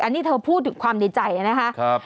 อันนี้เธอพูดถึงความดีใจนะครับ